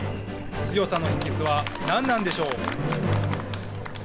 強さの秘訣は何なんでしょう。